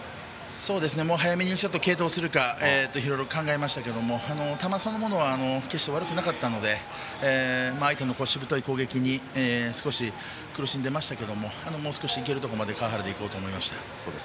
早めに継投するか悩みましたけども球そのものは決して悪くなかったので相手のしぶとい攻撃に少し苦しんでいましたけどもう少し、行けるところまで川原で行こうと思いました。